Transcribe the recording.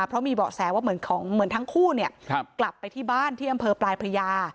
เพราะมีเบาะแสว่าเหมือนทั้งคู่กลับไปที่บ้านที่อำเภอปลายพระยา